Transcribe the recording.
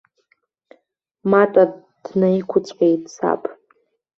Мата днаиқәцәҟьеит саб.